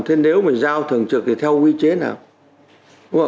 thế nếu mà giao thường trực thì theo quy chế nào